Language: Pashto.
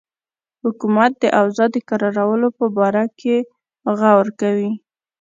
حکومت د اوضاع د کرارولو په باره کې غور کوي.